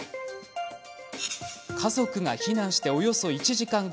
家族が避難しておよそ１時間後。